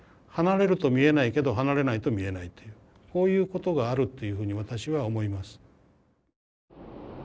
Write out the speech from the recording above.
離れると見えないけど離れないと見えないというこういうことがあるっていうふうに私は思います。